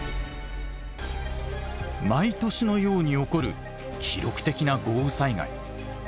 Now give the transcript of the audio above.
毎年のように起こる記録的な豪雨災害。